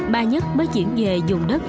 ba nhất mới chuyển về dùng đất